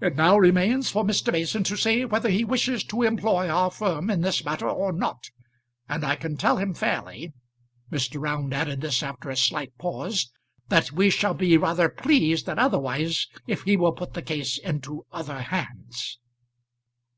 It now remains for Mr. Mason to say whether he wishes to employ our firm in this matter or not. And I can tell him fairly," Mr. Round added this after a slight pause, "that we shall be rather pleased than otherwise if he will put the case into other hands."